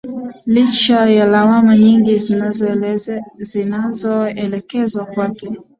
licha ya lawama nyingi zinazoelekezwa kwake